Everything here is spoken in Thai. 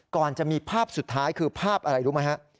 ก่อนจะมีภาพสุดท้ายคือภาพอะไรรู้ไหมฮะ